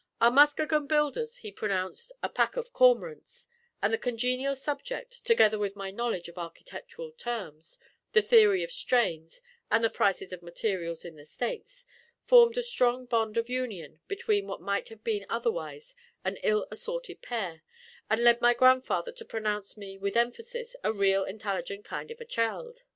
Our Muskegon builders he pronounced a pack of cormorants; and the congenial subject, together with my knowledge of architectural terms, the theory of strains, and the prices of materials in the States, formed a strong bond of union between what might have been otherwise an ill assorted pair, and led my grandfather to pronounce me, with emphasis, "a real intalligent kind of a cheild."